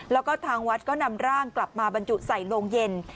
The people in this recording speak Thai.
แล้วก็ทางวัดก็นำร่างกลับมาบรรจุใส่โรงเย็น